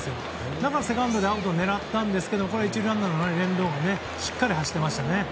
だからセカンドでアウトを狙ったんですが１塁ランナーもしっかり走ってましたね。